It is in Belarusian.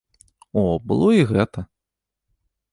О, было і гэта!